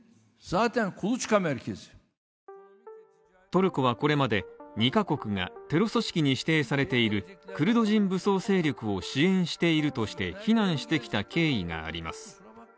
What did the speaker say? トルコはこれまで２か国がテロ組織に指定されているクルド人武装勢力を支援しているとして非難してきた経緯があります